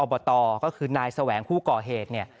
บตก็คือนายแสวงผู้ก่อเหตุเนี่ย